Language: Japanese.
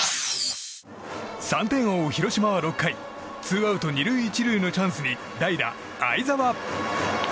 ３点を追う広島は６回ツーアウト２塁１塁のチャンスに代打、會澤。